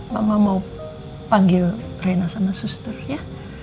mama mau panggil rena sama suster ya